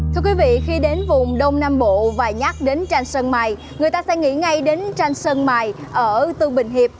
thưa quý vị khi đến vùng đông nam bộ và nhắc đến tranh sân mài người ta sẽ nghĩ ngay đến tranh sân mài ở tư bình hiệp